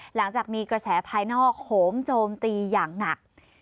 หลังจากมีกระแสภายนอกโหมโจมตีอย่างหนัก